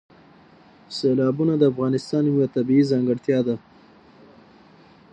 سیلابونه د افغانستان یوه طبیعي ځانګړتیا ده.